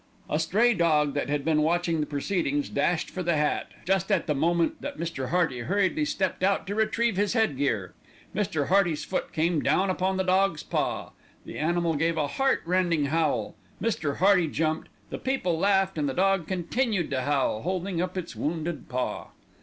A stray dog, that had been watching the proceedings, dashed for the hat, just at the moment that Mr. Hearty hurriedly stepped out to retrieve his headgear. Mr. Hearty's foot came down upon the dog's paw. The animal gave a heart rending howl, Mr. Hearty jumped, the people laughed, and the dog continued to howl, holding up its wounded paw.